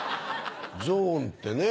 ゾーンってね。